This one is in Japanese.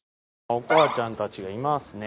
お母ちゃんたちがいますね。